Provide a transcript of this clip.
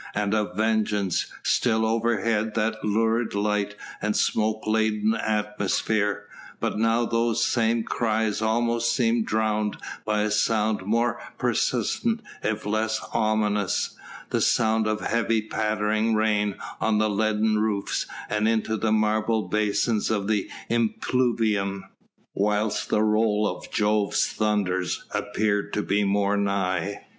and of "Vengeance!" Still overhead that lurid light and smoke laden atmosphere. But now those same cries seemed almost drowned by a sound more persistent if less ominous: the sound of heavy pattering rain on leaden roofs and into the marble basin of the impluvium, whilst the roll of Jove's thunders appeared to be more nigh.